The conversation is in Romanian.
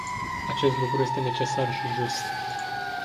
Acest lucru este necesar și just.